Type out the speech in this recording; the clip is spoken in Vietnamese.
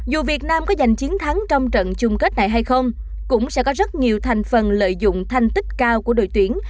dù việt nam có giành chiến thắng trong trận chung kết này hay không cũng sẽ có rất nhiều thành phần lợi dụng thành tích cao của đội tuyển